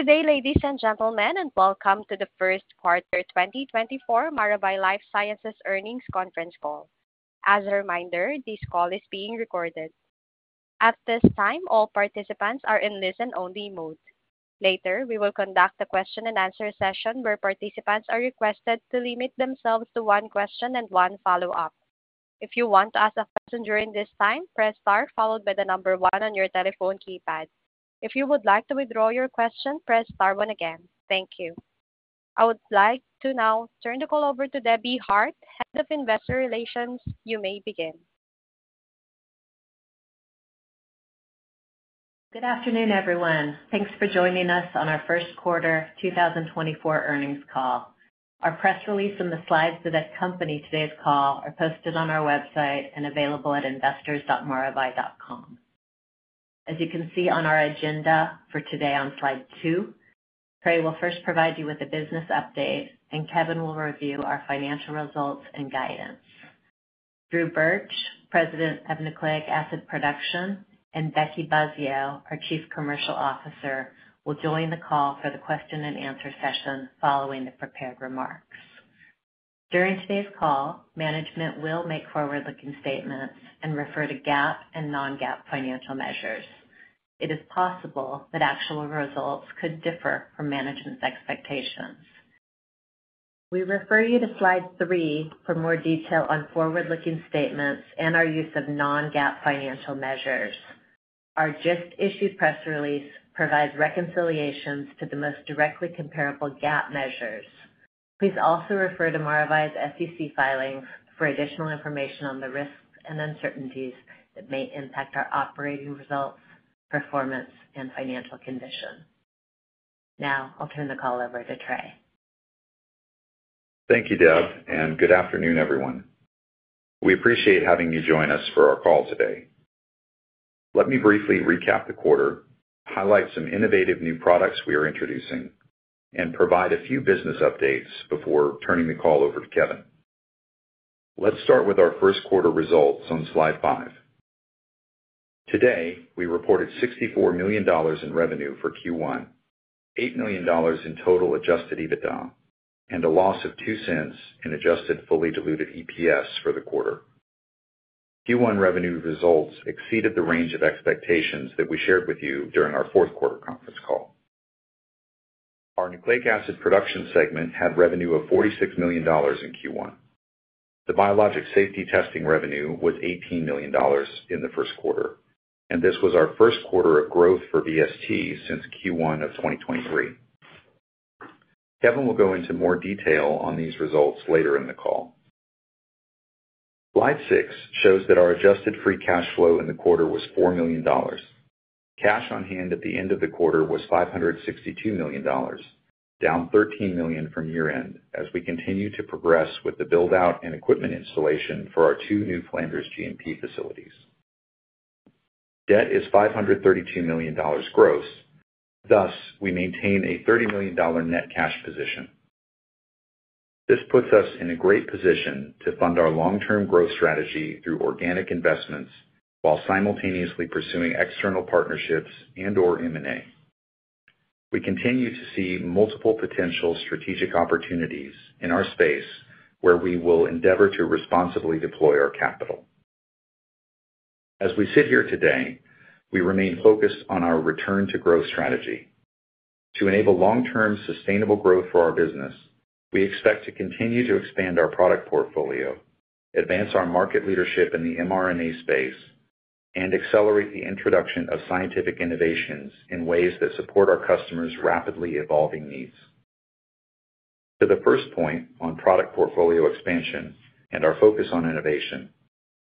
Good day, ladies and gentlemen, and welcome to the first quarter 2024 Maravai LifeSciences earnings conference call. As a reminder, this call is being recorded. At this time, all participants are in listen-only mode. Later, we will conduct a question-and-answer session where participants are requested to limit themselves to one question and one follow-up. If you want to ask a question during this time, press star followed by the number one on your telephone keypad. If you would like to withdraw your question, press star one again. Thank you. I would like to now turn the call over to Debbie Hart, Head of Investor Relations. You may begin. Good afternoon, everyone. Thanks for joining us on our first quarter 2024 earnings call. Our press release and the slides that accompany today's call are posted on our website and available at investors.maravai.com. As you can see on our agenda for today on slide two, Trey will first provide you with a business update, and Kevin will review our financial results and guidance. Andrew Burch, President of Nucleic Acid Production, and Becky Buzzeo, our Chief Commercial Officer, will join the call for the question-and-answer session following the prepared remarks. During today's call, management will make forward-looking statements and refer to GAAP and non-GAAP financial measures. It is possible that actual results could differ from management's expectations. We refer you to slide 3 for more detail on forward-looking statements and our use of non-GAAP financial measures. Our just-issued press release provides reconciliations to the most directly comparable GAAP measures. Please also refer to Maravai's SEC filings for additional information on the risks and uncertainties that may impact our operating results, performance, and financial condition. Now I'll turn the call over to Trey. Thank you, Deb, and good afternoon, everyone. We appreciate having you join us for our call today. Let me briefly recap the quarter, highlight some innovative new products we are introducing, and provide a few business updates before turning the call over to Kevin. Let's start with our first quarter results on slide 5. Today, we reported $64 million in revenue for Q1, $8 million in total adjusted EBITDA, and a loss of $0.02 in adjusted fully diluted EPS for the quarter. Q1 revenue results exceeded the range of expectations that we shared with you during our fourth quarter conference call. Our Nucleic Acid Production segment had revenue of $46 million in Q1. The Biologics Safety Testing revenue was $18 million in the first quarter, and this was our first quarter of growth for BST since Q1 of 2023. Kevin will go into more detail on these results later in the call. Slide 6 shows that our adjusted free cash flow in the quarter was $4 million. Cash on hand at the end of the quarter was $562 million, down $13 million from year-end as we continue to progress with the build-out and equipment installation for our two new Flanders cGMP facilities. Debt is $532 million gross. Thus, we maintain a $30 million net cash position. This puts us in a great position to fund our long-term growth strategy through organic investments while simultaneously pursuing external partnerships and/or M&A. We continue to see multiple potential strategic opportunities in our space where we will endeavor to responsibly deploy our capital. As we sit here today, we remain focused on our return-to-growth strategy. To enable long-term sustainable growth for our business, we expect to continue to expand our product portfolio, advance our market leadership in the mRNA space, and accelerate the introduction of scientific innovations in ways that support our customers' rapidly evolving needs. To the first point on product portfolio expansion and our focus on innovation,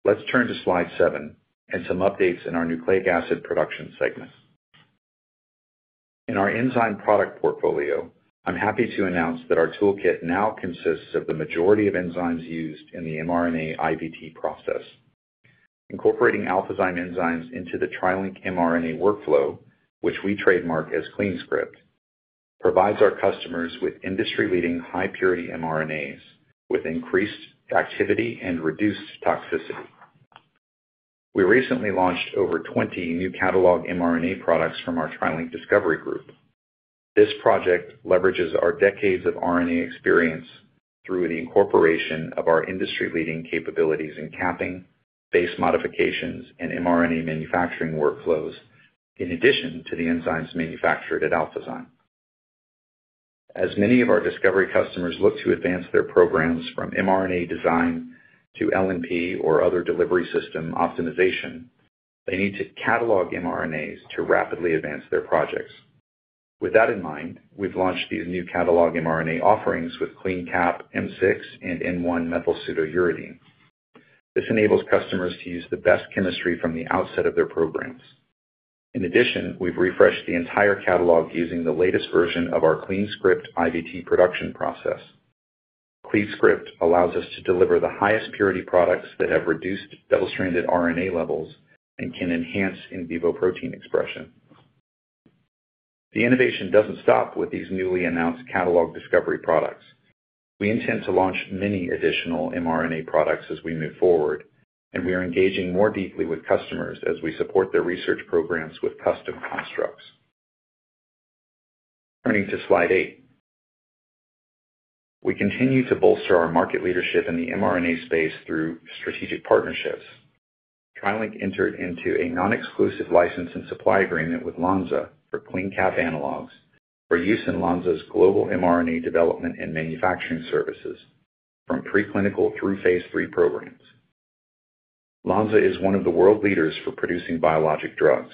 let's turn to slide 7 and some updates in our Nucleic Acid Production segment. In our enzyme product portfolio, I'm happy to announce that our toolkit now consists of the majority of enzymes used in the mRNA IVT process. Incorporating Alphazyme enzymes into the TriLink mRNA workflow, which we trademark as CleanScript, provides our customers with industry-leading high-purity mRNAs with increased activity and reduced toxicity. We recently launched over 20 new catalog mRNA products from our TriLink Discovery Group. This project leverages our decades of RNA experience through the incorporation of our industry-leading capabilities in capping, base modifications, and mRNA manufacturing workflows, in addition to the enzymes manufactured at Alphazyme. As many of our Discovery customers look to advance their programs from mRNA design to LNP or other delivery system optimization, they need to catalog mRNAs to rapidly advance their projects. With that in mind, we've launched these new catalog mRNA offerings with CleanCap M6 and N1-methylpseudouridine. This enables customers to use the best chemistry from the outset of their programs. In addition, we've refreshed the entire catalog using the latest version of our CleanScript IVT production process. CleanScript allows us to deliver the highest purity products that have reduced double-stranded RNA levels and can enhance in vivo protein expression. The innovation doesn't stop with these newly announced catalog Discovery products. We intend to launch many additional mRNA products as we move forward, and we are engaging more deeply with customers as we support their research programs with custom constructs. Turning to slide 8. We continue to bolster our market leadership in the mRNA space through strategic partnerships. TriLink entered into a non-exclusive license and supply agreement with Lonza for CleanCap analogs for use in Lonza's global mRNA development and manufacturing services, from preclinical through phase III programs. Lonza is one of the world leaders for producing biologic drugs.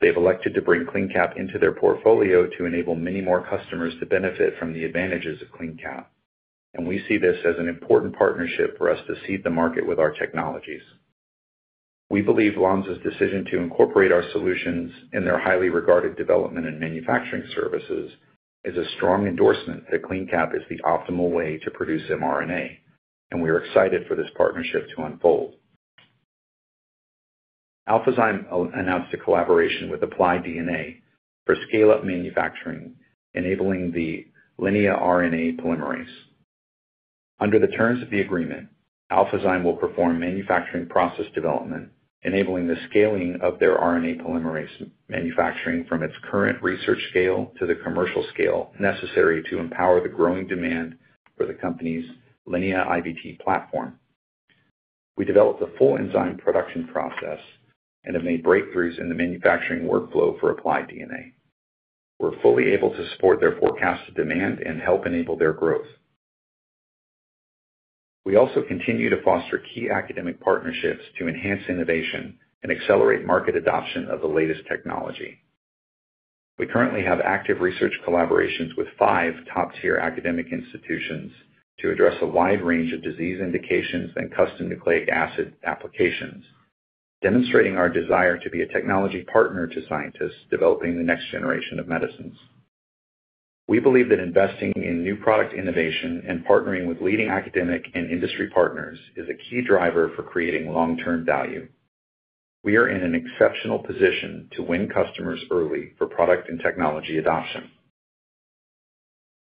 They've elected to bring CleanCap into their portfolio to enable many more customers to benefit from the advantages of CleanCap, and we see this as an important partnership for us to seed the market with our technologies. We believe Lonza's decision to incorporate our solutions in their highly regarded development and manufacturing services is a strong endorsement that CleanCap is the optimal way to produce mRNA, and we are excited for this partnership to unfold. Alphazyme announced a collaboration with Applied DNA for scale-up manufacturing, enabling the Linea RNA polymerase. Under the terms of the agreement, Alphazyme will perform manufacturing process development, enabling the scaling of their RNA polymerase manufacturing from its current research scale to the commercial scale necessary to empower the growing demand for the company's Linea IVT platform. We developed the full enzyme production process and have made breakthroughs in the manufacturing workflow for Applied DNA. We're fully able to support their forecasted demand and help enable their growth. We also continue to foster key academic partnerships to enhance innovation and accelerate market adoption of the latest technology. We currently have active research collaborations with five top-tier academic institutions to address a wide range of disease indications and custom nucleic acid applications, demonstrating our desire to be a technology partner to scientists developing the next generation of medicines. We believe that investing in new product innovation and partnering with leading academic and industry partners is a key driver for creating long-term value. We are in an exceptional position to win customers early for product and technology adoption.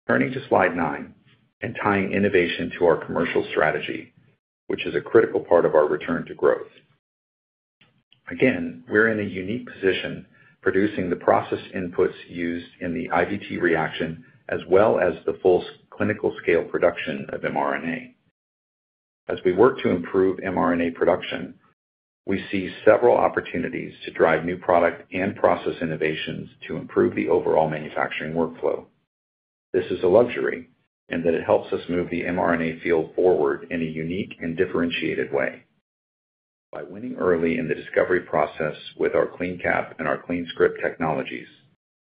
Turning to slide 9 and tying innovation to our commercial strategy, which is a critical part of our return-to-growth. Again, we're in a unique position producing the process inputs used in the IVT reaction as well as the full clinical-scale production of mRNA. As we work to improve mRNA production, we see several opportunities to drive new product and process innovations to improve the overall manufacturing workflow. This is a luxury in that it helps us move the mRNA field forward in a unique and differentiated way. By winning early in the discovery process with our CleanCap and our CleanScript technologies,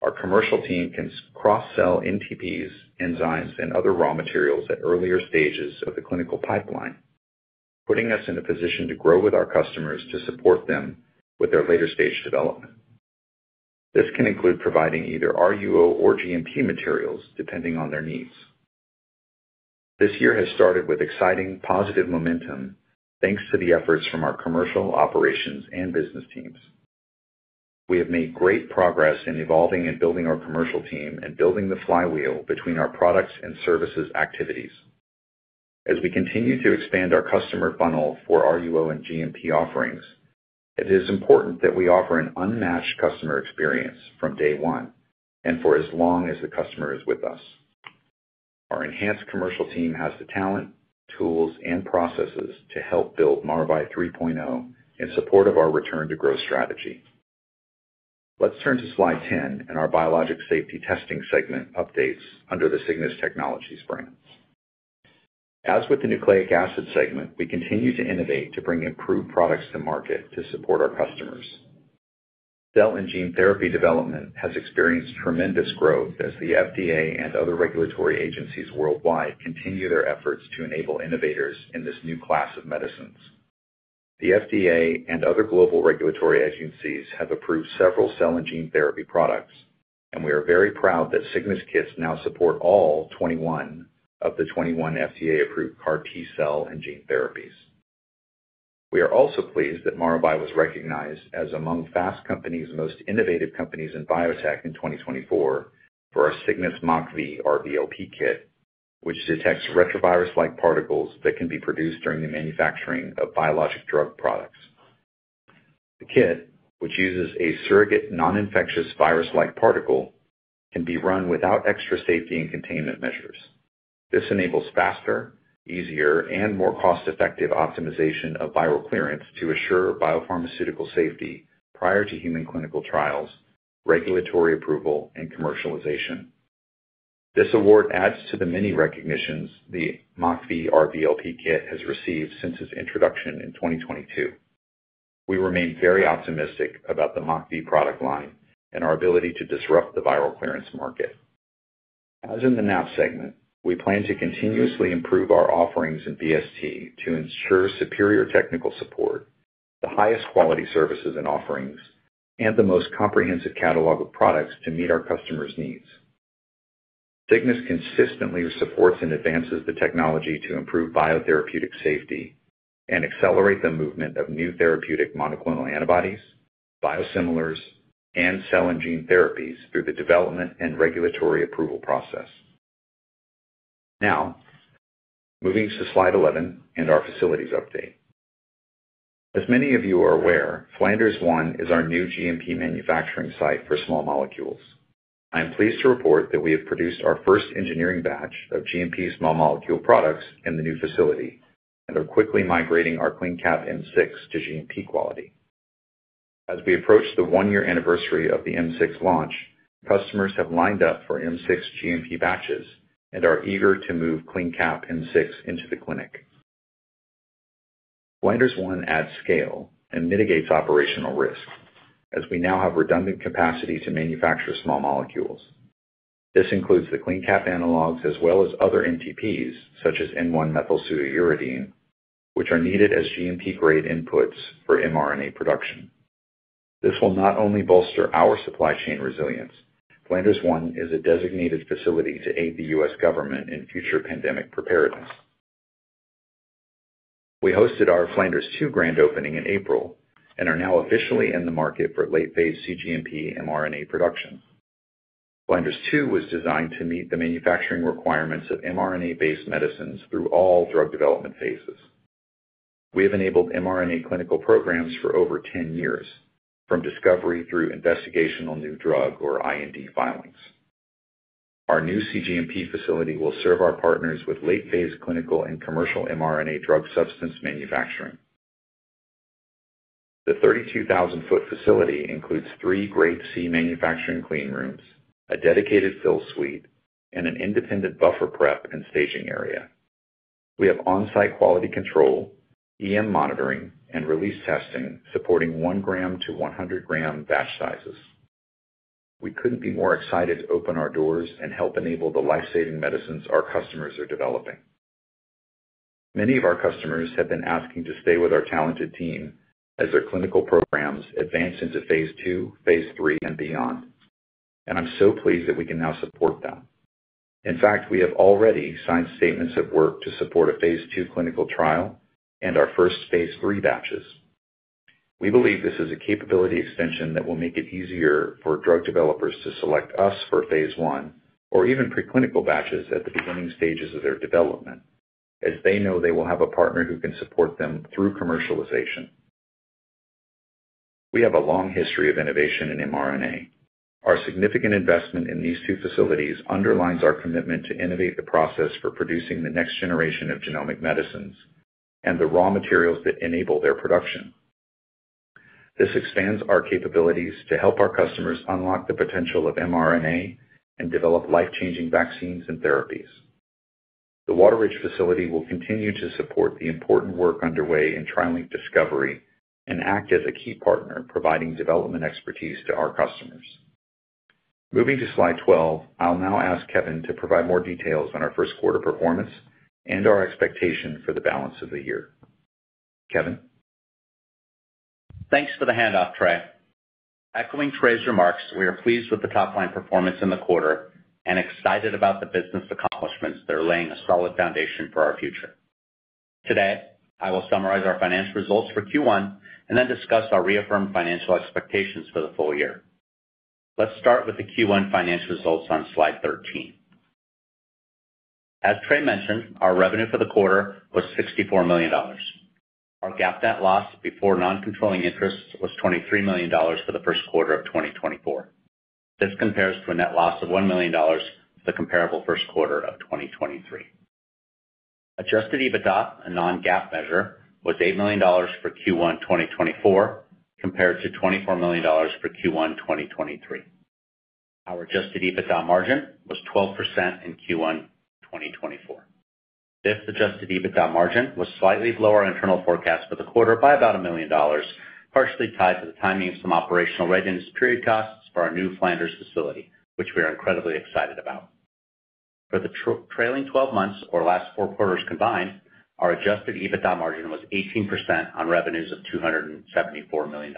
our commercial team can cross-sell NTPs, enzymes, and other raw materials at earlier stages of the clinical pipeline, putting us in a position to grow with our customers to support them with their later-stage development. This can include providing either RUO or GMP materials depending on their needs. This year has started with exciting, positive momentum thanks to the efforts from our commercial, operations, and business teams. We have made great progress in evolving and building our commercial team and building the flywheel between our products and services activities. As we continue to expand our customer funnel for RUO and GMP offerings, it is important that we offer an unmatched customer experience from day one and for as long as the customer is with us. Our enhanced commercial team has the talent, tools, and processes to help build Maravai 3.0 in support of our return-to-growth strategy. Let's turn to slide 10 and our Biologics Safety Testing segment updates under the Cygnus Technologies brand. As with the Nucleic Acid segment, we continue to innovate to bring improved products to market to support our customers. Cell and gene therapy development has experienced tremendous growth as the FDA and other regulatory agencies worldwide continue their efforts to enable innovators in this new class of medicines. The FDA and other global regulatory agencies have approved several cell and gene therapy products, and we are very proud that Cygnus kits now support all 21 of the 21 FDA-approved CAR-T cell and gene therapies. We are also pleased that Maravai was recognized as among Fast Company's most innovative companies in biotech in 2024 for our Cygnus MockV RVLP kit, which detects retrovirus-like particles that can be produced during the manufacturing of biologic drug products. The kit, which uses a surrogate non-infectious virus-like particle, can be run without extra safety and containment measures. This enables faster, easier, and more cost-effective optimization of viral clearance to assure biopharmaceutical safety prior to human clinical trials, regulatory approval, and commercialization. This award adds to the many recognitions the MockV RVLP kit has received since its introduction in 2022. We remain very optimistic about the MockV product line and our ability to disrupt the viral clearance market. As in the NAP segment, we plan to continuously improve our offerings in VST to ensure superior technical support, the highest quality services and offerings, and the most comprehensive catalog of products to meet our customers' needs. Cygnus consistently supports and advances the technology to improve biotherapeutic safety and accelerate the movement of new therapeutic monoclonal antibodies, biosimilars, and cell and gene therapies through the development and regulatory approval process. Now moving to slide 11 and our facilities update. As many of you are aware, Flanders 1 is our new GMP manufacturing site for small molecules. I am pleased to report that we have produced our first engineering batch of GMP small molecule products in the new facility and are quickly migrating our CleanCap M6 to GMP quality. As we approach the one-year anniversary of the M6 launch, customers have lined up for M6 GMP batches and are eager to move CleanCap M6 into the clinic. Flanders 1 adds scale and mitigates operational risk as we now have redundant capacity to manufacture small molecules. This includes the CleanCap analogs as well as other NTPs such as N1-methylpseudouridine, which are needed as GMP-grade inputs for mRNA production. This will not only bolster our supply chain resilience. Flanders 1 is a designated facility to aid the U.S. government in future pandemic preparedness. We hosted our Flanders 2 grand opening in April and are now officially in the market for late-phase cGMP mRNA production. Flanders 2 was designed to meet the manufacturing requirements of mRNA-based medicines through all drug development phases. We have enabled mRNA clinical programs for over 10 years, from discovery through investigational new drug or IND filings. Our new cGMP facility will serve our partners with late-phase clinical and commercial mRNA drug substance manufacturing. The 32,000 sq ft facility includes three Grade C manufacturing clean rooms, a dedicated fill suite, and an independent buffer prep and staging area. We have on-site quality control, EM monitoring, and release testing supporting 1g to 100g batch sizes. We couldn't be more excited to open our doors and help enable the lifesaving medicines our customers are developing. Many of our customers have been asking to stay with our talented team as their clinical programs advance into phase II, phase III, and beyond, and I'm so pleased that we can now support them. In fact, we have already signed statements of work to support a phase II clinical trial and our first phase III batches. We believe this is a capability extension that will make it easier for drug developers to select us for phase 1 or even preclinical batches at the beginning stages of their development, as they know they will have a partner who can support them through commercialization. We have a long history of innovation in mRNA. Our significant investment in these two facilities underlines our commitment to innovate the process for producing the next generation of genomic medicines and the raw materials that enable their production. This expands our capabilities to help our customers unlock the potential of mRNA and develop life-changing vaccines and therapies. The Wateridge facility will continue to support the important work underway in TriLink discovery and act as a key partner providing development expertise to our customers. Moving to slide 12, I'll now ask Kevin to provide more details on our first quarter performance and our expectation for the balance of the year. Kevin. Thanks for the handoff, Trey. Echoing Trey's remarks, we are pleased with the top-line performance in the quarter and excited about the business accomplishments that are laying a solid foundation for our future. Today, I will summarize our financial results for Q1 and then discuss our reaffirmed financial expectations for the full year. Let's start with the Q1 financial results on slide 13. As Trey mentioned, our revenue for the quarter was $64 million. Our GAAP net loss before non-controlling interests was $23 million for the first quarter of 2024. This compares to a net loss of $1 million for the comparable first quarter of 2023. Adjusted EBITDA, a non-GAAP measure, was $8 million for Q1 2024 compared to $24 million for Q1 2023. Our adjusted EBITDA margin was 12% in Q1 2024. This adjusted EBITDA margin was slightly below our internal forecast for the quarter by about $1 million, partially tied to the timing of some operational readiness period costs for our new Flanders facility, which we are incredibly excited about. For the trailing 12 months, or last four quarters combined, our adjusted EBITDA margin was 18% on revenues of $274 million.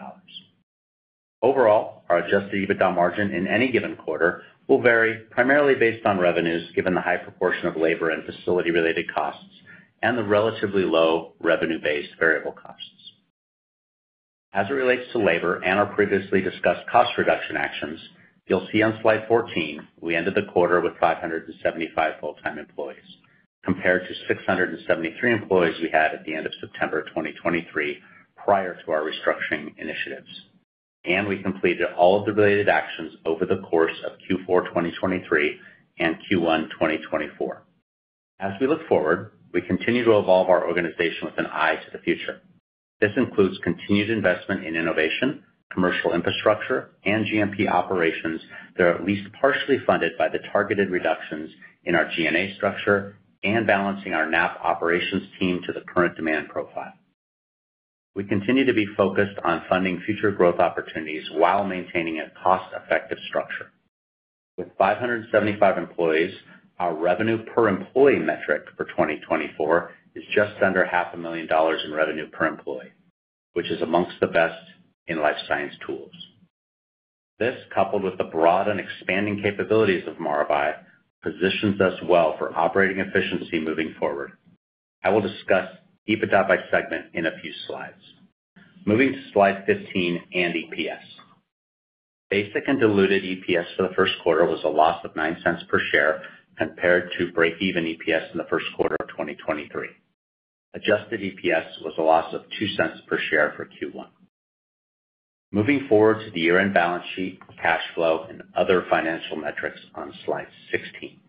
Overall, our adjusted EBITDA margin in any given quarter will vary primarily based on revenues given the high proportion of labor and facility-related costs and the relatively low revenue-based variable costs. As it relates to labor and our previously discussed cost reduction actions, you'll see on slide 14 we ended the quarter with 575 full-time employees compared to 673 employees we had at the end of September 2023 prior to our restructuring initiatives, and we completed all of the related actions over the course of Q4 2023 and Q1 2024. As we look forward, we continue to evolve our organization with an eye to the future. This includes continued investment in innovation, commercial infrastructure, and GMP operations that are at least partially funded by the targeted reductions in our GNA structure and balancing our NAP operations team to the current demand profile. We continue to be focused on funding future growth opportunities while maintaining a cost-effective structure. With 575 employees, our revenue per employee metric for 2024 is just under $500,000 in revenue per employee, which is amongst the best in life science tools. This, coupled with the broad and expanding capabilities of Maravai, positions us well for operating efficiency moving forward. I will discuss EBITDA by segment in a few slides. Moving to slide 15 and EPS. Basic and diluted EPS for the first quarter was a loss of $0.09 per share compared to break-even EPS in the first quarter of 2023. Adjusted EPS was a loss of $0.02 per share for Q1. Moving forward to the year-end balance sheet, cash flow, and other financial metrics on slide 16.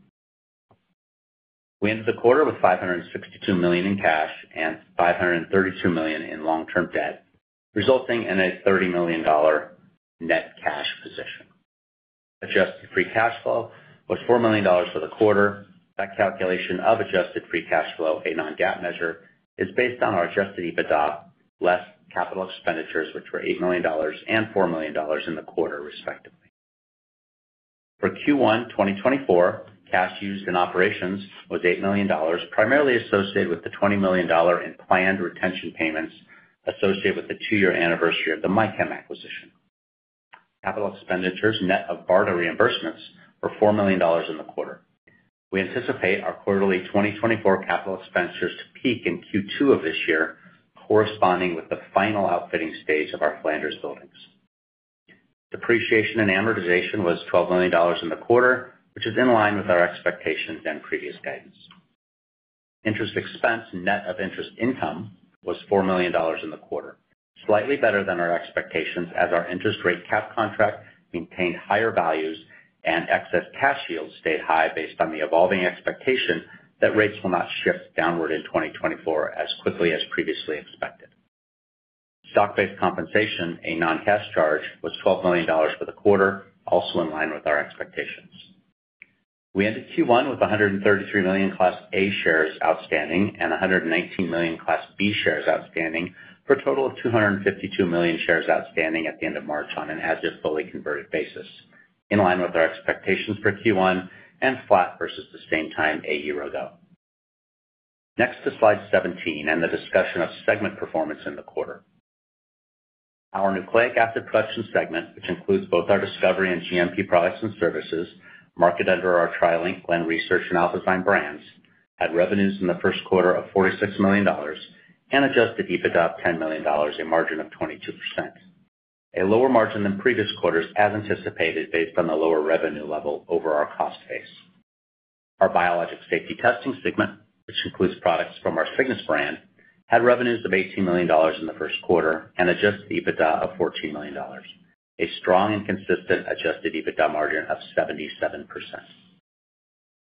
We ended the quarter with $562 million in cash and $532 million in long-term debt, resulting in a $30 million net cash position. Adjusted free cash flow was $4 million for the quarter. That calculation of adjusted free cash flow, a non-GAAP measure, is based on our adjusted EBITDA less capital expenditures, which were $8 million and $4 million in the quarter, respectively. For Q1 2024, cash used in operations was $8 million, primarily associated with the $20 million in planned retention payments associated with the two-year anniversary of the MyChem acquisition. Capital expenditures net of BARDA reimbursements were $4 million in the quarter. We anticipate our quarterly 2024 capital expenditures to peak in Q2 of this year, corresponding with the final outfitting stage of our Flanders buildings. Depreciation and amortization was $12 million in the quarter, which is in line with our expectations and previous guidance. Interest expense net of interest income was $4 million in the quarter, slightly better than our expectations as our interest rate cap contract maintained higher values and excess cash yield stayed high based on the evolving expectation that rates will not shift downward in 2024 as quickly as previously expected. Stock-based compensation, a non-cash charge, was $12 million for the quarter, also in line with our expectations. We ended Q1 with 133 million Class A shares outstanding and 119 million Class B shares outstanding, for a total of 252 million shares outstanding at the end of March on an as-if fully converted basis, in line with our expectations for Q1 and flat versus the same time a year ago. Next to slide 17 and the discussion of segment performance in the quarter. Our Nucleic Acid Production segment, which includes both our discovery and GMP products and services marketed under our TriLink, Glen Research, and Alphazyme brands, had revenues in the first quarter of $46 million and adjusted EBITDA of $10 million, a margin of 22%, a lower margin than previous quarters as anticipated based on the lower revenue level over our cost base. Our Biologics Safety Testing segment, which includes products from our Cygnus brand, had revenues of $18 million in the first quarter and adjusted EBITDA of $14 million, a strong and consistent adjusted EBITDA margin of 77%.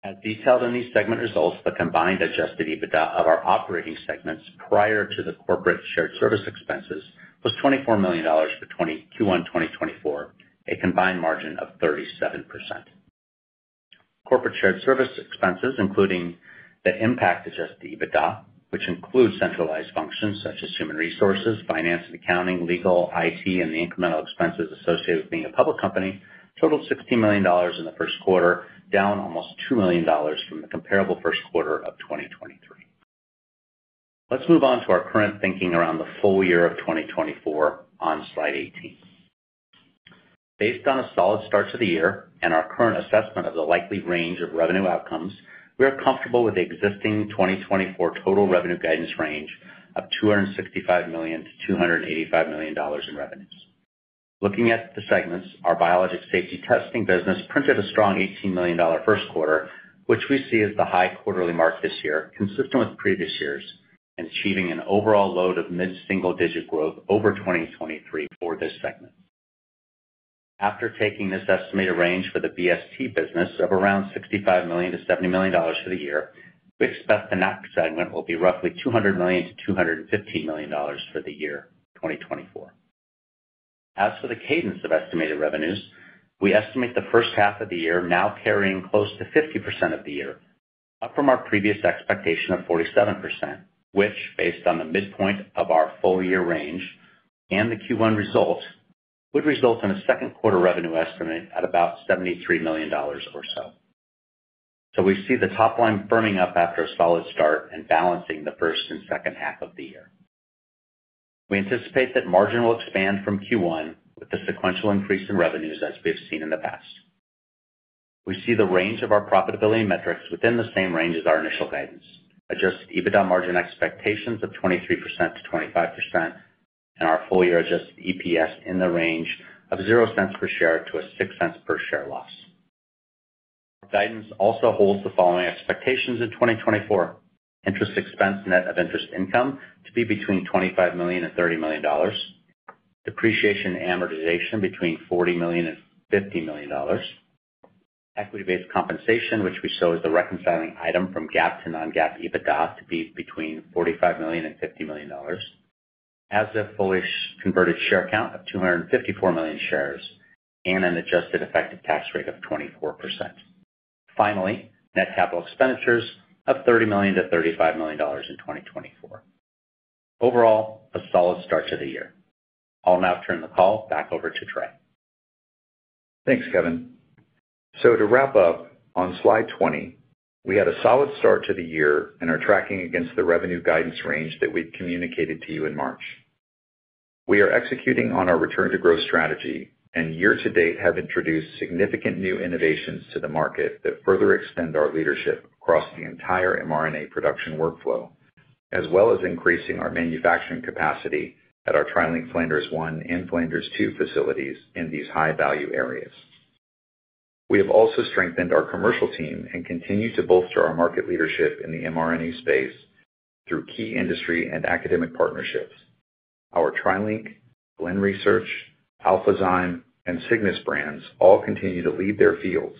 As detailed in these segment results, the combined adjusted EBITDA of our operating segments prior to the corporate shared service expenses was $24 million for Q1 2024, a combined margin of 37%. Corporate shared service expenses, including the impact on adjusted EBITDA, which includes centralized functions such as human resources, finance and accounting, legal, IT, and the incremental expenses associated with being a public company, totaled $16 million in the first quarter, down almost $2 million from the comparable first quarter of 2023. Let's move on to our current thinking around the full year of 2024 on slide 18. Based on a solid start to the year and our current assessment of the likely range of revenue outcomes, we are comfortable with the existing 2024 total revenue guidance range of $265 million-$285 million in revenues. Looking at the segments, our biologic safety testing business printed a strong $18 million first quarter, which we see as the high quarterly mark this year, consistent with previous years, and achieving an overall low of mid-single-digit growth over 2023 for this segment. After taking this estimated range for the BST business of around $65 million-$70 million for the year, we expect the NAP segment will be roughly $200 million-$215 million for the year 2024. As for the cadence of estimated revenues, we estimate the first half of the year now carrying close to 50% of the year, up from our previous expectation of 47%, which, based on the midpoint of our full-year range and the Q1 result, would result in a second quarter revenue estimate at about $73 million or so. So we see the top line firming up after a solid start and balancing the first and second half of the year. We anticipate that margin will expand from Q1 with the sequential increase in revenues as we have seen in the past. We see the range of our profitability metrics within the same range as our initial guidance, adjusted EBITDA margin expectations of 23%-25%, and our full-year adjusted EPS in the range of $0.00 per share to a $0.06 per share loss. Our guidance also holds the following expectations in 2024: interest expense net of interest income to be between $25 million-$30 million. Depreciation and amortization between $40 million-$50 million. Equity-based compensation, which we show as the reconciling item from GAAP to non-GAAP EBITDA, to be between $45 million-$50 million. As-if fully converted share count of 254 million shares. And an adjusted effective tax rate of 24%. Finally, net capital expenditures of $30 million-$35 million in 2024. Overall, a solid start to the year. I'll now turn the call back over to Trey. Thanks, Kevin. So to wrap up, on slide 20, we had a solid start to the year and are tracking against the revenue guidance range that we'd communicated to you in March. We are executing on our return-to-growth strategy and, year to date, have introduced significant new innovations to the market that further extend our leadership across the entire mRNA production workflow, as well as increasing our manufacturing capacity at our TriLink Flanders 1 and Flanders 2 facilities in these high-value areas. We have also strengthened our commercial team and continue to bolster our market leadership in the mRNA space through key industry and academic partnerships. Our TriLink, Glen Research, Alphazyme, and Cygnus brands all continue to lead their fields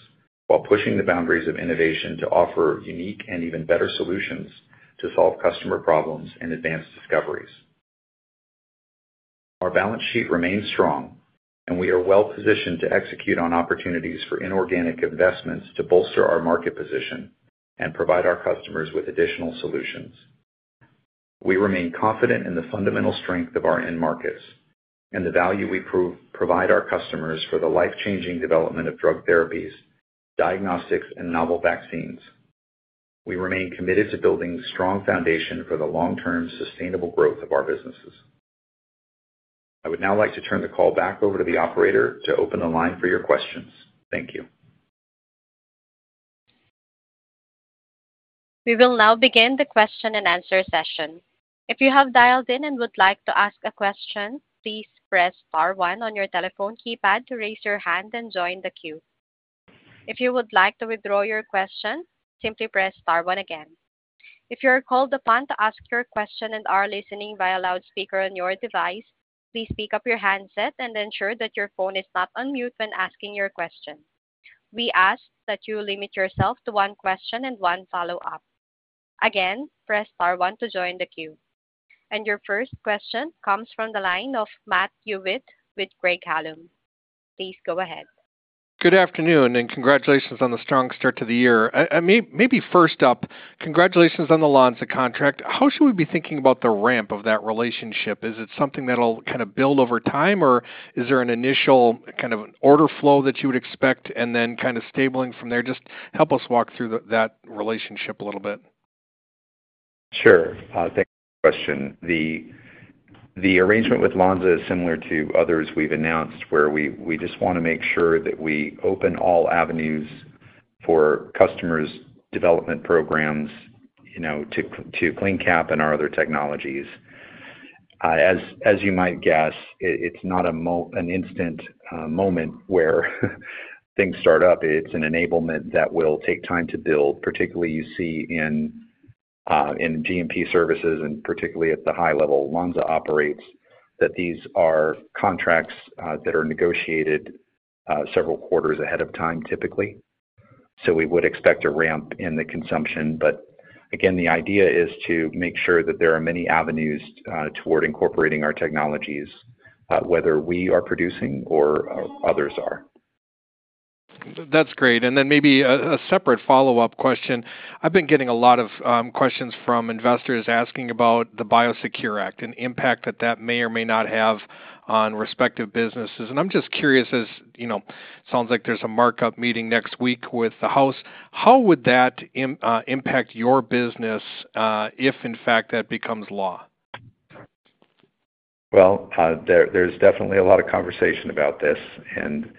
while pushing the boundaries of innovation to offer unique and even better solutions to solve customer problems and advance discoveries. Our balance sheet remains strong, and we are well-positioned to execute on opportunities for inorganic investments to bolster our market position and provide our customers with additional solutions. We remain confident in the fundamental strength of our end markets and the value we provide our customers for the life-changing development of drug therapies, diagnostics, and novel vaccines. We remain committed to building a strong foundation for the long-term sustainable growth of our businesses. I would now like to turn the call back over to the operator to open the line for your questions. Thank you. We will now begin the question-and-answer session. If you have dialed in and would like to ask a question, please press star one on your telephone keypad to raise your hand and join the queue. If you would like to withdraw your question, simply press star one again. If you are called upon to ask your question and are listening via loudspeaker on your device, please pick up your handset and ensure that your phone is not unmuted when asking your question. We ask that you limit yourself to one question and one follow-up. Again, press star one to join the queue. Your first question comes from the line of Matt Hewitt with Craig-Hallum. Please go ahead. Good afternoon and congratulations on the strong start to the year. Maybe first up, congratulations on the Lonza contract. How should we be thinking about the ramp of that relationship? Is it something that'll kind of build over time, or is there an initial kind of order flow that you would expect and then kind of stabilizing from there? Just help us walk through that relationship a little bit. Sure. Thanks for the question. The arrangement with Lonza is similar to others we've announced, where we just want to make sure that we open all avenues for customers' development programs to CleanCap and our other technologies. As you might guess, it's not an instant moment where things start up. It's an enablement that will take time to build, particularly you see in GMP services and particularly at the high level Lonza operates that these are contracts that are negotiated several quarters ahead of time, typically. So we would expect a ramp in the consumption. But again, the idea is to make sure that there are many avenues toward incorporating our technologies, whether we are producing or others are. That's great. And then maybe a separate follow-up question. I've been getting a lot of questions from investors asking about the Biosecure Act and the impact that that may or may not have on respective businesses. And I'm just curious, as it sounds like there's a markup meeting next week with the House, how would that impact your business if, in fact, that becomes law? Well, there's definitely a lot of conversation about this. And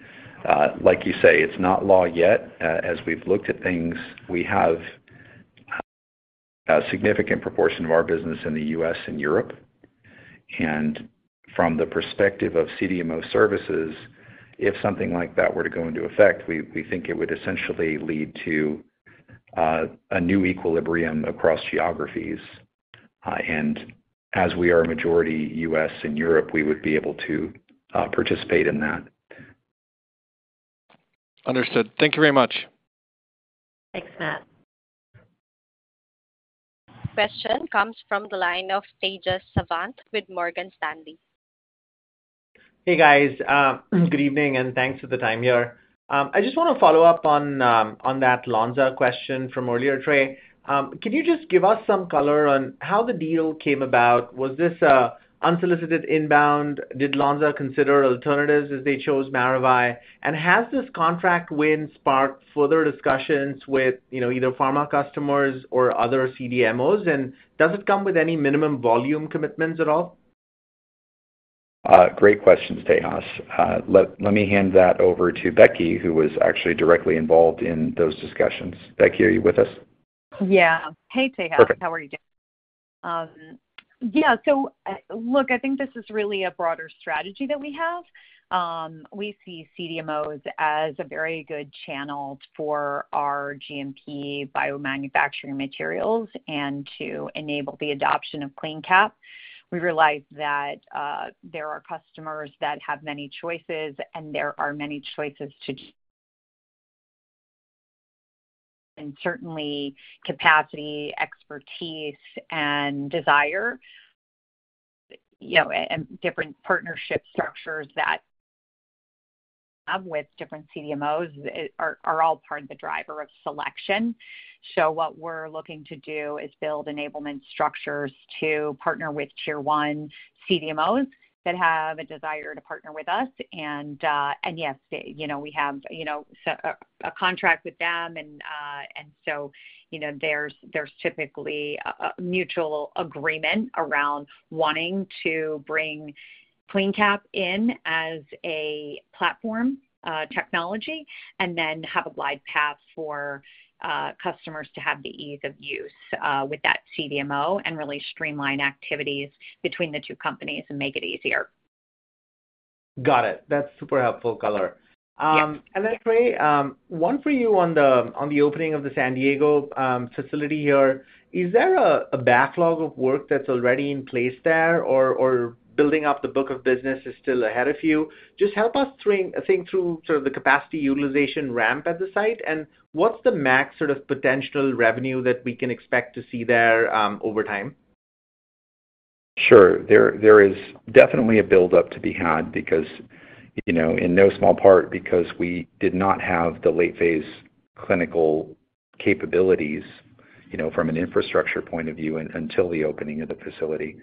like you say, it's not law yet. As we've looked at things, we have a significant proportion of our business in the U.S. and Europe. And from the perspective of CDMO services, if something like that were to go into effect, we think it would essentially lead to a new equilibrium across geographies. And as we are a majority U.S. and Europe, we would be able to participate in that. Understood. Thank you very much. Thanks, Matt. Question comes from the line of Tejas Savant with Morgan Stanley. Hey, guys. Good evening and thanks for the time here. I just want to follow up on that Lonza question from earlier, Trey. Can you just give us some color on how the deal came about? Was this an unsolicited inbound? Did Lonza consider alternatives as they chose Maravai? And has this contract win sparked further discussions with either pharma customers or other CDMOs? And does it come with any minimum volume commitments at all? Great questions, Tejas. Let me hand that over to Becky, who was actually directly involved in those discussions. Becky, are you with us? Yeah. Hey, Tejas. How are you doing? Yeah. So look, I think this is really a broader strategy that we have. We see CDMOs as a very good channel for our GMP biomanufacturing materials and to enable the adoption of CleanCap. We realize that there are customers that have many choices, and there are many choices to choose. And certainly, capacity, expertise, and desire, and different partnership structures that we have with different CDMOs are all part of the driver of selection. So what we're looking to do is build enablement structures to partner with tier one CDMOs that have a desire to partner with us. Yes, we have a contract with them, and so there's typically a mutual agreement around wanting to bring CleanCap in as a platform technology and then have a glide path for customers to have the ease of use with that CDMO and really streamline activities between the two companies and make it easier. Got it. That's super helpful color. Trey, one for you on the opening of the San Diego facility here. Is there a backlog of work that's already in place there, or building up the book of business is still ahead of you? Just help us think through sort of the capacity utilization ramp at the site, and what's the max sort of potential revenue that we can expect to see there over time? Sure. There is definitely a buildup to be had, in no small part because we did not have the late-phase clinical capabilities from an infrastructure point of view until the opening of the facility.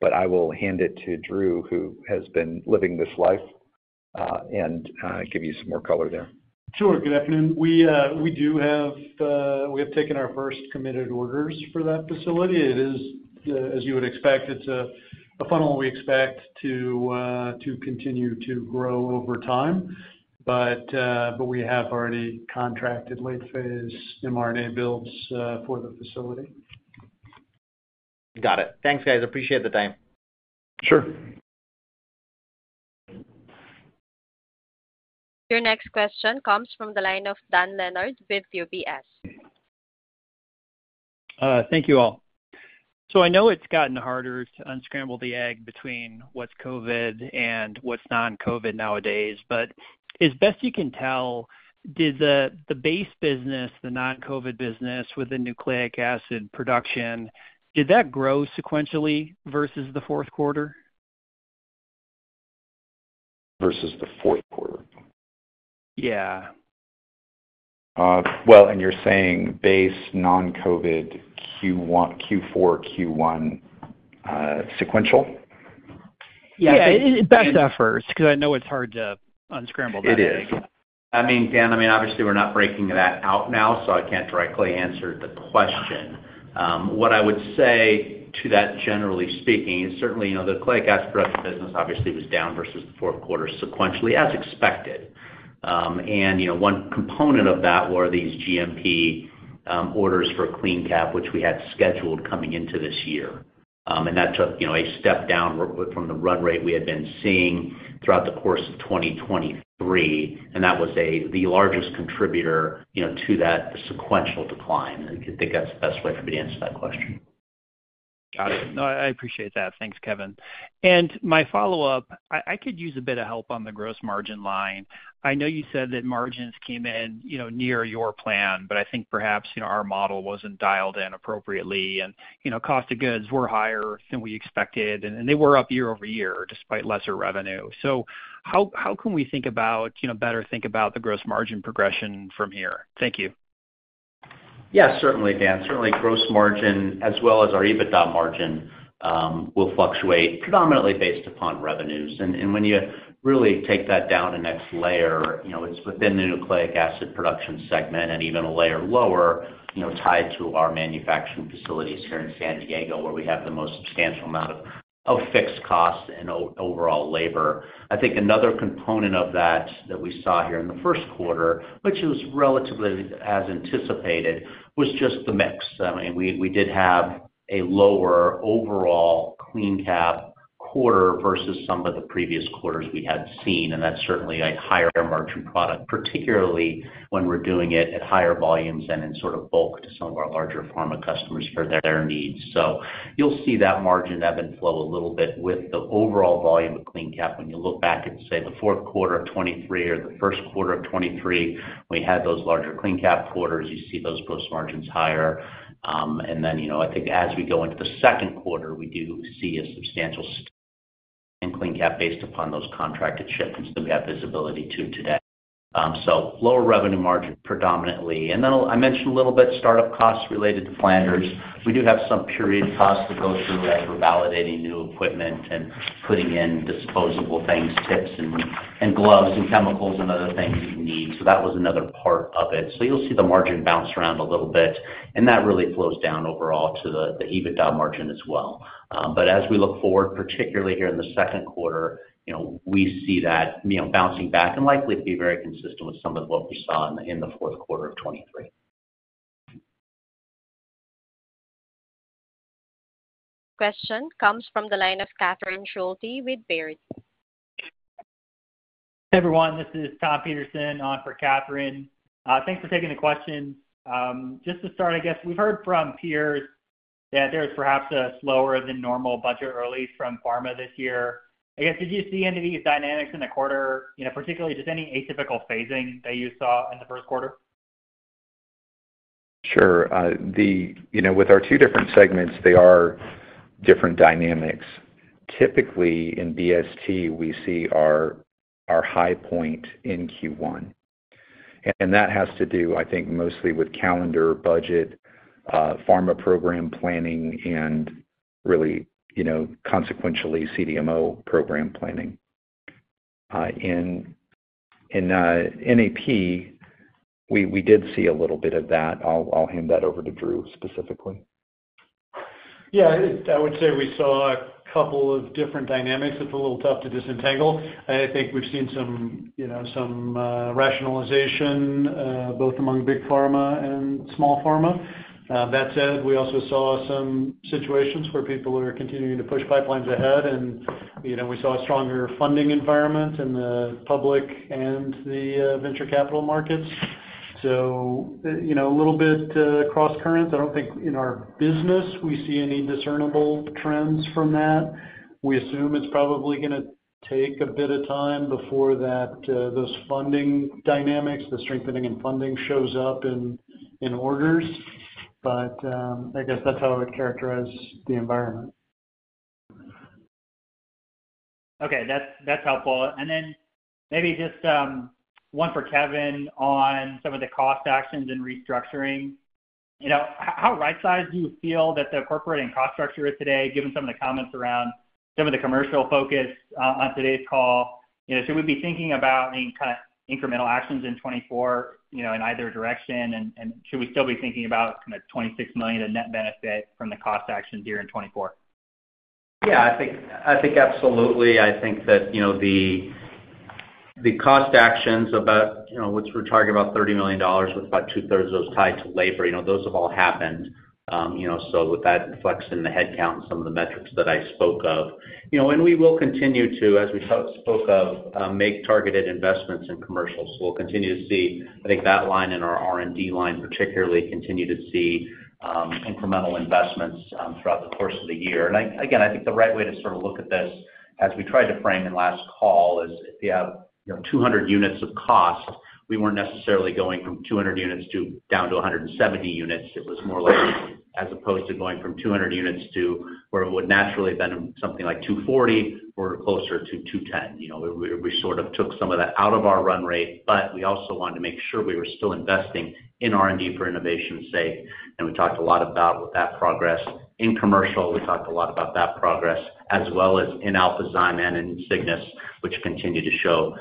But I will hand it to Drew, who has been living this life, and give you some more color there. Sure. Good afternoon. We have taken our first committed orders for that facility. As you would expect, it's a funnel we expect to continue to grow over time, but we have already contracted late-phase mRNA builds for the facility. Got it. Thanks, guys. Appreciate the time. Sure. Your next question comes from the line of Dan Leonard with UBS. Thank you all. So I know it's gotten harder to unscramble the egg between what's COVID and what's non-COVID nowadays, but as best you can tell, did the base business, the non-COVID business with the nucleic acid production, did that grow sequentially versus the fourth quarter? Versus the fourth quarter? Yeah. Well, you're saying base non-COVID Q4, Q1 sequential? Yeah. It's best efforts because I know it's hard to unscramble that egg. It is. I mean, Dan, I mean, obviously, we're not breaking that out now, so I can't directly answer the question. What I would say to that, generally speaking, is certainly the Nucleic Acid Production business obviously was down versus the fourth quarter sequentially, as expected. And one component of that were these GMP orders for CleanCap, which we had scheduled coming into this year. And that took a step down from the run rate we had been seeing throughout the course of 2023, and that was the largest contributor to that sequential decline. I think that's the best way for me to answer that question. Got it. No, I appreciate that. Thanks, Kevin. And my follow-up, I could use a bit of help on the gross margin line. I know you said that margins came in near your plan, but I think perhaps our model wasn't dialed in appropriately. And cost of goods were higher than we expected, and they were up year over year despite lesser revenue. So how can we better think about the gross margin progression from here? Thank you. Yeah, certainly, Dan. Certainly, gross margin, as well as our EBITDA margin, will fluctuate predominantly based upon revenues. And when you really take that down a next layer, it's within the nucleic acid production segment and even a layer lower tied to our manufacturing facilities here in San Diego, where we have the most substantial amount of fixed costs and overall labor. I think another component of that that we saw here in the first quarter, which was relatively as anticipated, was just the mix. I mean, we did have a lower overall CleanCap quarter versus some of the previous quarters we had seen, and that's certainly a higher margin product, particularly when we're doing it at higher volumes and in sort of bulk to some of our larger pharma customers for their needs. So you'll see that margin ebb and flow a little bit with the overall volume of CleanCap. When you look back at, say, the fourth quarter of 2023 or the first quarter of 2023, when we had those larger CleanCap quarters, you see those gross margins higher. And then I think as we go into the second quarter, we do see a substantial in CleanCap based upon those contracted shipments that we have visibility to today. So lower revenue margin predominantly. And then I mentioned a little bit startup costs related to Flanders. We do have some period costs to go through as we're validating new equipment and putting in disposable things, tips, and gloves, and chemicals, and other things that you need. So that was another part of it. So you'll see the margin bounce around a little bit, and that really flows down overall to the EBITDA margin as well. But as we look forward, particularly here in the second quarter, we see that bouncing back and likely to be very consistent with some of what we saw in the fourth quarter of 2023. Question comes from the line of Catherine Schulte with Baird. Hey, everyone. This is Tom Peterson on for Catherine. Thanks for taking the question. Just to start, I guess, we've heard from peers that there's perhaps a slower-than-normal budget release from pharma this year. I guess, did you see any of these dynamics in the quarter, particularly just any atypical phasing that you saw in the first quarter? Sure. With our two different segments, they are different dynamics. Typically, in BST, we see our high point in Q1. And that has to do, I think, mostly with calendar, budget, pharma program planning, and really consequentially, CDMO program planning. In NAP, we did see a little bit of that. I'll hand that over to Drew specifically. Yeah. I would say we saw a couple of different dynamics. It's a little tough to disentangle. I think we've seen some rationalization both among big pharma and small pharma. That said, we also saw some situations where people are continuing to push pipelines ahead, and we saw a stronger funding environment in the public and the venture capital markets. So a little bit cross-currents. I don't think in our business we see any discernible trends from that. We assume it's probably going to take a bit of time before those funding dynamics, the strengthening in funding, shows up in orders. But I guess that's how I would characterize the environment. Okay. That's helpful. Then maybe just one for Kevin on some of the cost actions and restructuring. How right-sized do you feel that the corporate and cost structure is today, given some of the comments around some of the commercial focus on today's call? Should we be thinking about any kind of incremental actions in 2024 in either direction, and should we still be thinking about kind of $26 million in net benefit from the cost actions here in 2024? Yeah. I think absolutely. I think that the cost actions about what we're talking about, $30 million, with about two-thirds of those tied to labor, those have all happened. So with that reflected in the headcount and some of the metrics that I spoke of. And we will continue to, as we spoke of, make targeted investments in commercials. So we'll continue to see, I think, that line in our R&D line particularly, continue to see incremental investments throughout the course of the year. And again, I think the right way to sort of look at this as we tried to frame in last call is if you have 200 units of cost, we weren't necessarily going from 200 units down to 170 units. It was more like, as opposed to going from 200 units to where it would naturally have been something like 240, we're closer to 210. We sort of took some of that out of our run rate, but we also wanted to make sure we were still investing in R&D for innovation's sake. And we talked a lot about with that progress in commercial, we talked a lot about that progress, as well as in Alphazyme and in Cygnus, which continue to show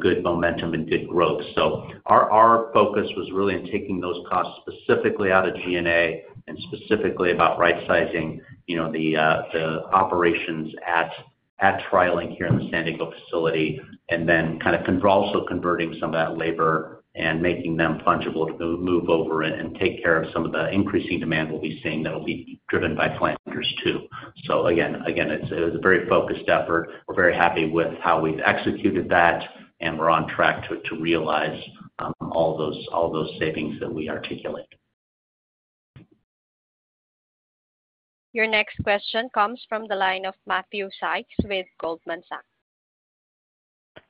good momentum and good growth. So our focus was really in taking those costs specifically out of G&A and specifically about right-sizing the operations at TriLink here in the San Diego facility and then kind of also converting some of that labor and making them fungible to move over and take care of some of the increasing demand we'll be seeing that will be driven by Flanders 2. So again, it was a very focused effort. We're very happy with how we've executed that, and we're on track to realize all those savings that we articulate. Your next question comes from the line of Matthew Sykes with Goldman Sachs.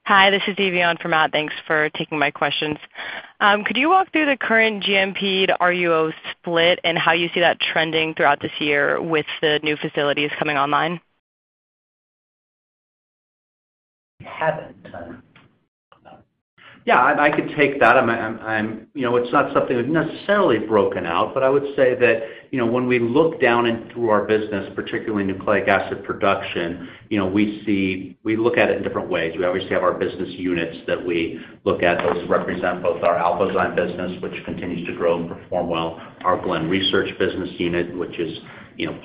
Hi. This is Evie from Matt. Thanks for taking my questions. Could you walk through the current GMP to RUO split and how you see that trending throughout this year with the new facilities coming online? Yeah. I could take that. It's not something that's necessarily broken out, but I would say that when we look down through our business, particularly Nucleic Acid Production, we look at it in different ways. We obviously have our business units that we look at. Those represent both our Alphazyme business, which continues to grow and perform well, our Glen Research business unit, which is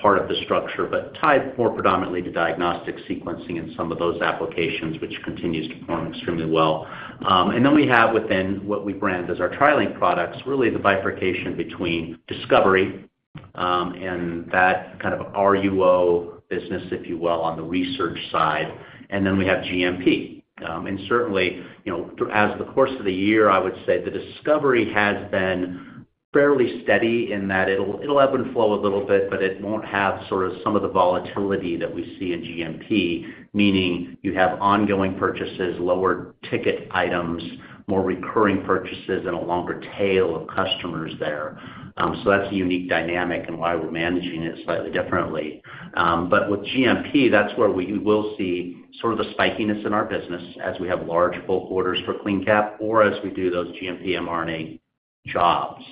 part of the structure but tied more predominantly to diagnostic sequencing and some of those applications, which continues to perform extremely well. And then we have, within what we brand as our TriLink products, really the bifurcation between discovery and that kind of RUO business, if you will, on the research side. And then we have GMP. Certainly, as the course of the year, I would say the discovery has been fairly steady in that it'll ebb and flow a little bit, but it won't have sort of some of the volatility that we see in GMP, meaning you have ongoing purchases, lower ticket items, more recurring purchases, and a longer tail of customers there. That's a unique dynamic and why we're managing it slightly differently. But with GMP, that's where we will see sort of the spikiness in our business as we have large bulk orders for CleanCap or as we do those GMP mRNA jobs.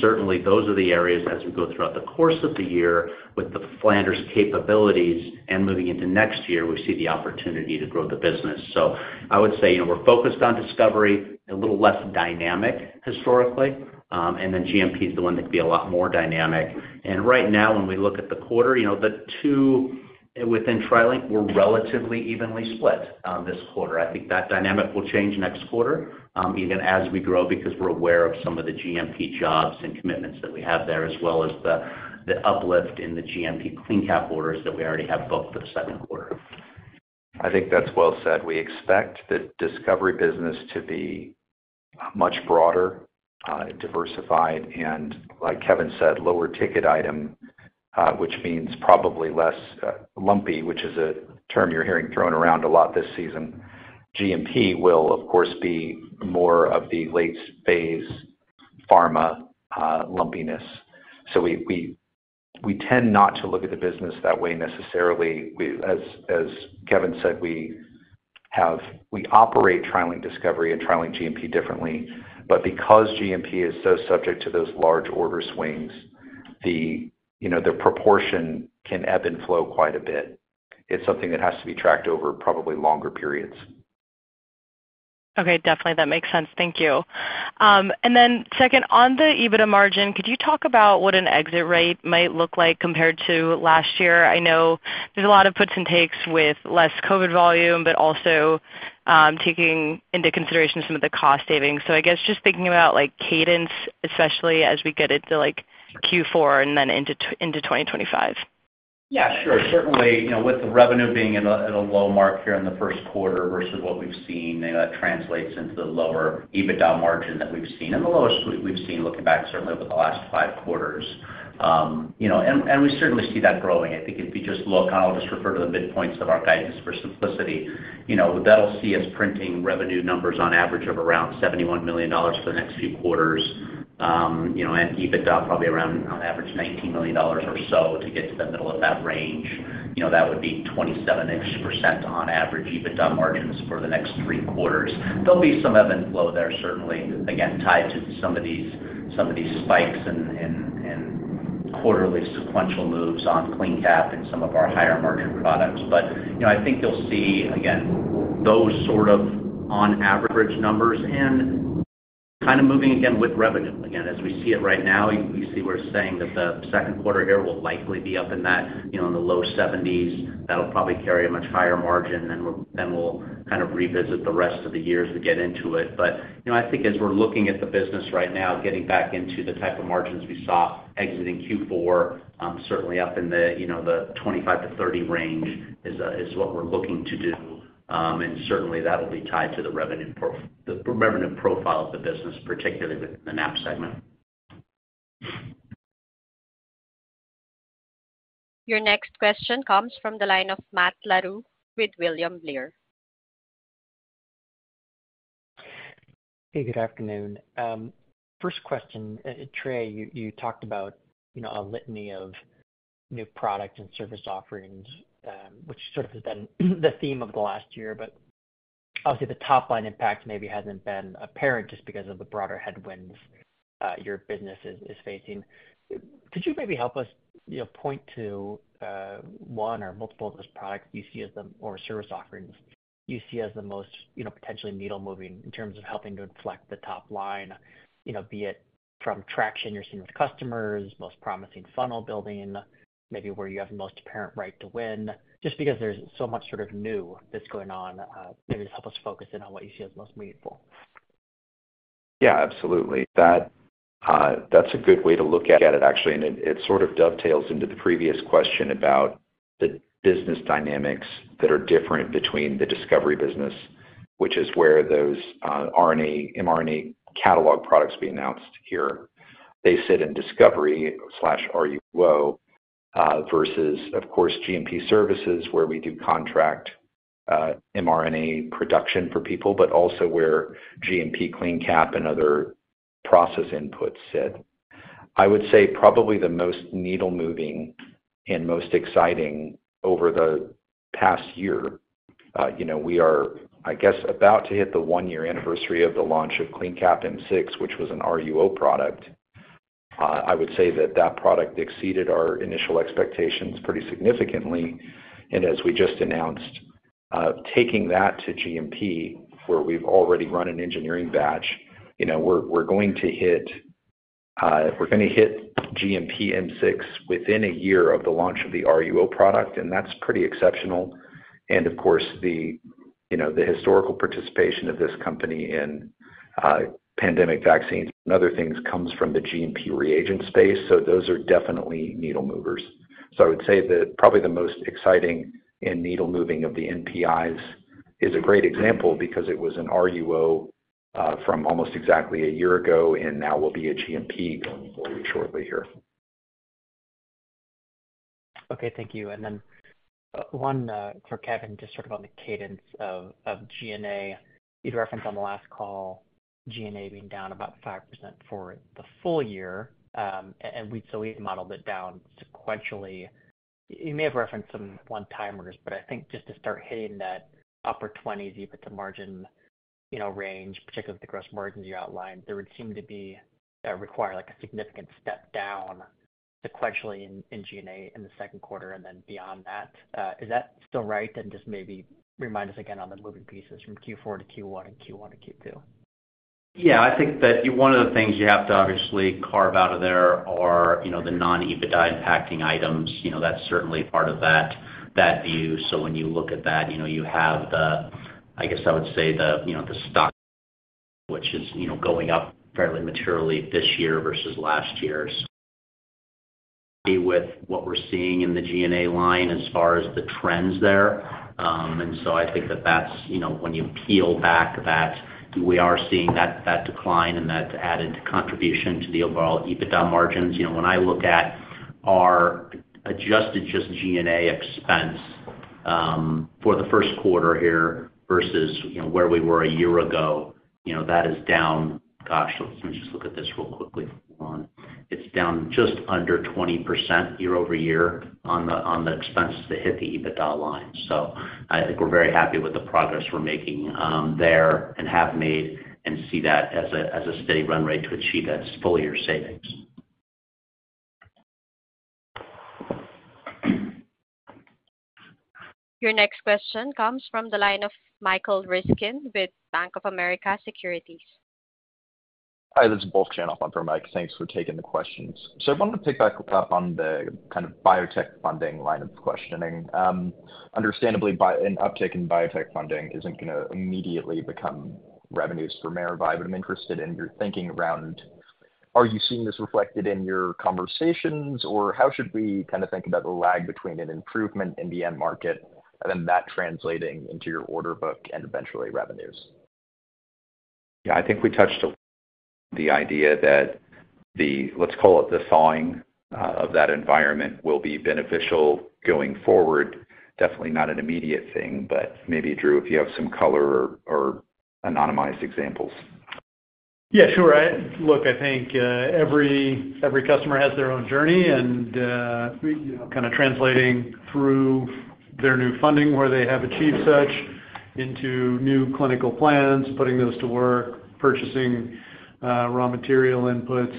Certainly, those are the areas as we go throughout the course of the year, with the Flanders capabilities and moving into next year, we see the opportunity to grow the business. So I would say we're focused on discovery, a little less dynamic historically, and then GMP is the one that could be a lot more dynamic. And right now, when we look at the quarter, the two within TriLink were relatively evenly split this quarter. I think that dynamic will change next quarter even as we grow because we're aware of some of the GMP jobs and commitments that we have there, as well as the uplift in the GMP CleanCap orders that we already have booked for the second quarter. I think that's well said. We expect the discovery business to be much broader, diversified, and, like Kevin said, lower ticket item, which means probably less lumpy, which is a term you're hearing thrown around a lot this season. GMP will, of course, be more of the late-phase pharma lumpiness. So we tend not to look at the business that way necessarily. As Kevin said, we operate TriLink discovery and TriLink GMP differently, but because GMP is so subject to those large order swings, the proportion can ebb and flow quite a bit. It's something that has to be tracked over probably longer periods. Okay. Definitely. That makes sense. Thank you. And then second, on the EBITDA margin, could you talk about what an exit rate might look like compared to last year? I know there's a lot of puts and takes with less COVID volume but also taking into consideration some of the cost savings. So I guess just thinking about cadence, especially as we get into Q4 and then into 2025. Yeah. Sure. Certainly, with the revenue being at a low mark here in the first quarter versus what we've seen, that translates into the lower EBITDA margin that we've seen and the lowest we've seen looking back, certainly, over the last five quarters. And we certainly see that growing. I think if you just look on I'll just refer to the midpoints of our guidance for simplicity. That'll see us printing revenue numbers on average of around $71 million for the next few quarters and EBITDA probably around, on average, $19 million or so to get to the middle of that range. That would be 27% on average EBITDA margins for the next three quarters. There'll be some ebb and flow there, certainly, again, tied to some of these spikes and quarterly sequential moves on CleanCap and some of our higher-margin products. I think you'll see, again, those sort of on-average numbers and kind of moving again with revenue. Again, as we see it right now, we see we're saying that the second quarter here will likely be up in that in the low 70s. That'll probably carry a much higher margin, and then we'll kind of revisit the rest of the years to get into it. I think as we're looking at the business right now, getting back into the type of margins we saw exiting Q4, certainly up in the 25-30 range is what we're looking to do. Certainly, that'll be tied to the revenue profile of the business, particularly within the NAP segment. Your next question comes from the line of Matt Larew with William Blair. Hey. Good afternoon. First question, Trey, you talked about a litany of new product and service offerings, which sort of has been the theme of the last year. But obviously, the top-line impact maybe hasn't been apparent just because of the broader headwinds your business is facing. Could you maybe help us point to one or multiple of those products you see as them or service offerings you see as the most potentially needle-moving in terms of helping to inflect the top line, be it from traction you're seeing with customers, most promising funnel building, maybe where you have the most apparent right to win? Just because there's so much sort of new that's going on, maybe just help us focus in on what you see as most meaningful. Yeah. Absolutely. That's a good way to look at it, actually. And it sort of dovetails into the previous question about the business dynamics that are different between the discovery business, which is where those R&D mRNA catalog products we've announced here. They sit in discovery/RUO versus, of course, GMP services where we do contract mRNA production for people but also where GMP CleanCap and other process inputs sit. I would say probably the most needle-moving and most exciting over the past year, we are, I guess, about to hit the one-year anniversary of the launch of CleanCap M6, which was an RUO product. I would say that that product exceeded our initial expectations pretty significantly. And as we just announced, taking that to GMP, where we've already run an engineering batch, we're going to hit GMP M6 within a year of the launch of the RUO product, and that's pretty exceptional. And of course, the historical participation of this company in pandemic vaccines and other things comes from the GMP reagent space. So those are definitely needle-movers. So I would say that probably the most exciting and needle-moving of the NPIs is a great example because it was an RUO from almost exactly a year ago and now will be a GMP going forward shortly here. Okay. Thank you. And then one for Kevin, just sort of on the cadence of G&A. You'd referenced on the last call G&A being down about 5% for the full year. And so we've modeled it down sequentially. You may have referenced some one-timers, but I think just to start hitting that upper 20s EBITDA margin range, particularly the gross margins you outlined, there would seem to require a significant step down sequentially in G&A in the second quarter and then beyond that. Is that still right? And just maybe remind us again on the moving pieces from Q4 to Q1 and Q1 to Q2. Yeah. I think that one of the things you have to obviously carve out of there are the non-EBITDA impacting items. That's certainly part of that view. So when you look at that, you have the, I guess I would say, the stock, which is going up fairly materially this year versus last year. So I'd be with what we're seeing in the G&A line as far as the trends there. And so I think that that's when you peel back that, we are seeing that decline and that added contribution to the overall EBITDA margins. When I look at our adjusted just G&A expense for the first quarter here versus where we were a year ago, that is down gosh, let me just look at this real quickly for Q1. It's down just under 20% year-over-year on the expenses that hit the EBITDA line. I think we're very happy with the progress we're making there and have made and see that as a steady run rate to achieve that full-year savings. Your next question comes from the line of Michael Ryskin with Bank of America Securities. Hi. This is Wolf Chanoff on for Mike. Thanks for taking the questions. So I wanted to pick back up on the kind of biotech funding line of questioning. Understandably, an uptick in biotech funding isn't going to immediately become revenues for Maravai. But I'm interested in your thinking around, are you seeing this reflected in your conversations, or how should we kind of think about the lag between an improvement in the end market and then that translating into your order book and eventually revenues? Yeah. I think we touched on the idea that the, let's call it, the thawing of that environment will be beneficial going forward. Definitely not an immediate thing. But maybe, Andrew, if you have some color or anonymized examples? Yeah. Sure. Look, I think every customer has their own journey. And kind of translating through their new funding, where they have achieved such, into new clinical plans, putting those to work, purchasing raw material inputs,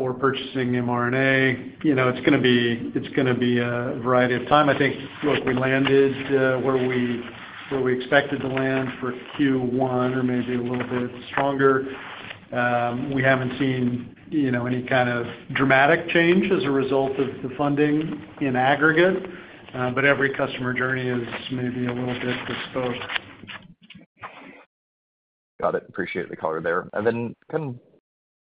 or purchasing mRNA, it's going to be it's going to be a variety of time. I think, look, we landed where we expected to land for Q1 or maybe a little bit stronger. We haven't seen any kind of dramatic change as a result of the funding in aggregate, but every customer journey is maybe a little bit bespoke. Got it. Appreciate the color there. And then kind of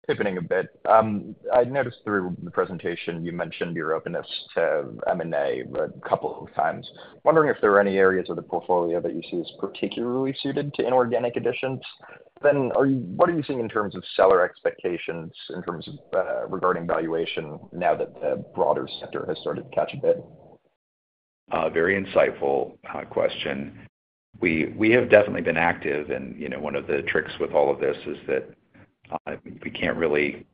pivoting a bit, I noticed through the presentation, you mentioned your openness to M&A a couple of times. Wondering if there are any areas of the portfolio that you see as particularly suited to inorganic additions? Then what are you seeing in terms of seller expectations regarding valuation now that the broader sector has started to catch a bit? Very insightful question. We have definitely been active. One of the tricks with all of this is that we can't really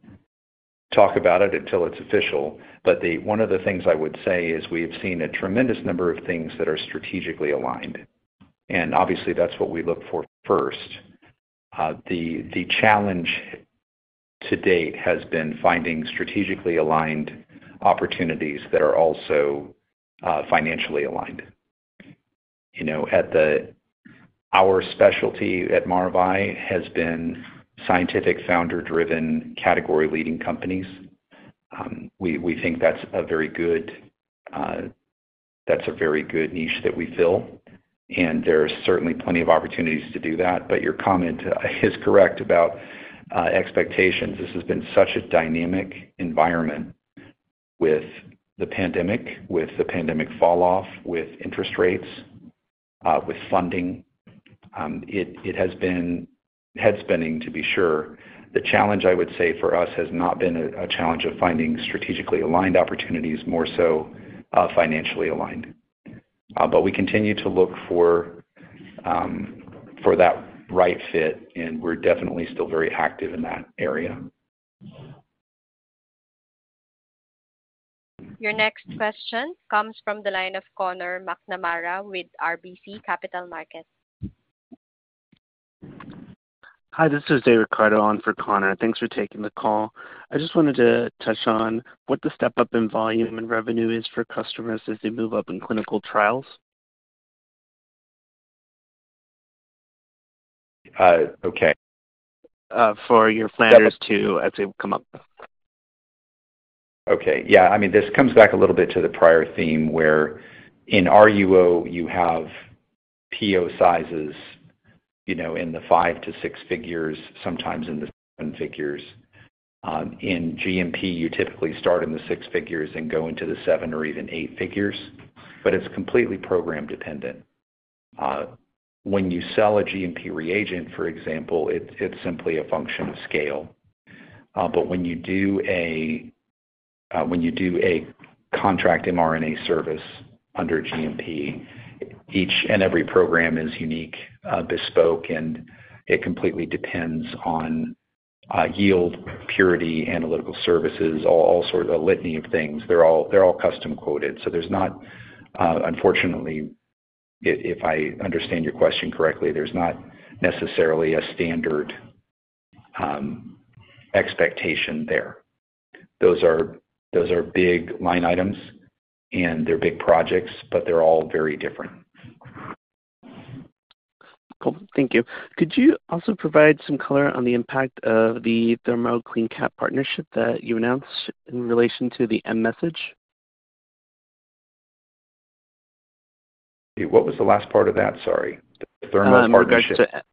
talk about it until it's official. But one of the things I would say is we have seen a tremendous number of things that are strategically aligned. And obviously, that's what we look for first. The challenge to date has been finding strategically aligned opportunities that are also financially aligned. Our specialty at Maravai has been scientific, founder-driven, category-leading companies. We think that's a very good niche that we fill. And there's certainly plenty of opportunities to do that. But your comment is correct about expectations. This has been such a dynamic environment with the pandemic, with the pandemic falloff, with interest rates, with funding. It has been head-spinning, to be sure. The challenge, I would say, for us has not been a challenge of finding strategically aligned opportunities, more so financially aligned. But we continue to look for that right fit, and we're definitely still very active in that area. Your next question comes from the line of Connor McNamara with RBC Capital Markets. Hi. This is David Cardone for Connor. Thanks for taking the call. I just wanted to touch on what the step-up in volume and revenue is for customers as they move up in clinical trials. Okay. For your planners to, I'd say, come up. Okay. Yeah. I mean, this comes back a little bit to the prior theme where in RUO, you have PO sizes in the 5-6 figures, sometimes in the 7 figures. In GMP, you typically start in the 6 figures and go into the 7 or even 8 figures. But it's completely program-dependent. When you sell a GMP reagent, for example, it's simply a function of scale. But when you do a contract mRNA service under GMP, each and every program is unique, bespoke, and it completely depends on yield, purity, analytical services, all sorts a litany of things. They're all custom-quoted. So there's not unfortunately, if I understand your question correctly, there's not necessarily a standard expectation there. Those are big line items, and they're big projects, but they're all very different. Cool. Thank you. Could you also provide some color on the impact of the Thermo CleanCap partnership that you announced in relation to the mRNA? What was the last part of that? Sorry. The Thermo partnership. I'm going to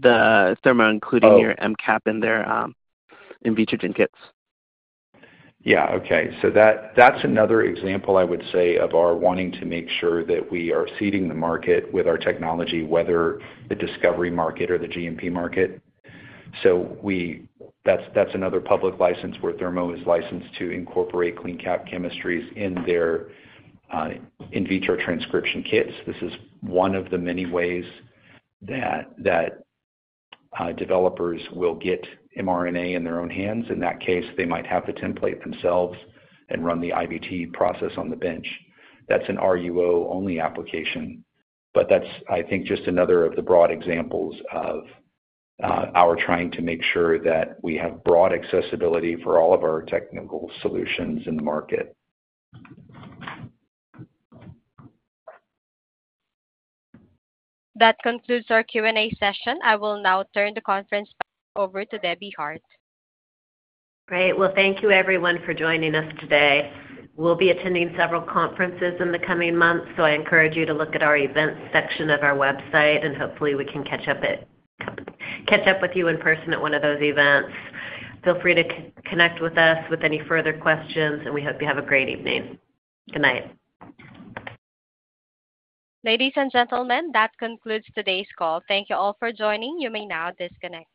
the Thermo, including your CleanCap in their Invitrogen kits. Yeah. Okay. So that's another example, I would say, of our wanting to make sure that we are seeding the market with our technology, whether the discovery market or the GMP market. So that's another public license where Thermo is licensed to incorporate CleanCap chemistries in their in vitro transcription kits. This is one of the many ways that developers will get mRNA in their own hands. In that case, they might have the template themselves and run the IVT process on the bench. That's an RUO-only application. But that's, I think, just another of the broad examples of our trying to make sure that we have broad accessibility for all of our technical solutions in the market. That concludes our Q&A session. I will now turn the conference over to Debbie Hart. Great. Well, thank you, everyone, for joining us today. We'll be attending several conferences in the coming months, so I encourage you to look at our events section of our website, and hopefully, we can catch up with you in person at one of those events. Feel free to connect with us with any further questions, and we hope you have a great evening. Good night. Ladies and gentlemen, that concludes today's call. Thank you all for joining. You may now disconnect.